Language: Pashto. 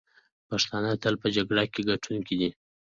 پښتانه تل په جګړه کې ګټونکي دي.